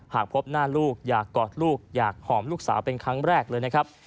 หากพบหน้าลูกอยากกอดลูกอยากหอมลูกสาวเป็นครั้งแรกเลยนะครับ